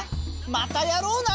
またやろうな。な！